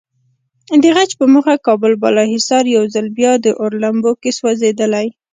د غچ په موخه کابل بالاحصار یو ځل بیا د اور لمبو کې سوځېدلی.